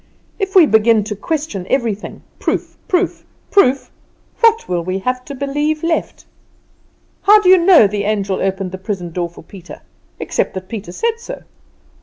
If we begin to question everything proof, proof, proof, what will we have to believe left? How do you know the angel opened the prison door for Peter, except that Peter said so?